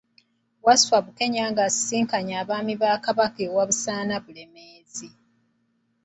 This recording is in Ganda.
Wasswa Bukenya ng’asisinkanye Abaami ba Kabaka e Wabusaana Bulemeezi.